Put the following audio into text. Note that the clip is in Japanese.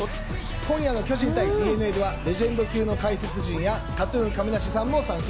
今夜の巨人対ＤｅＮＡではレジェンド級の解説陣やＫＡＴ−ＴＵＮ亀梨さんも参戦。